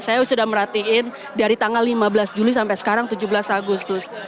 saya sudah merhatiin dari tanggal lima belas juli sampai sekarang tujuh belas agustus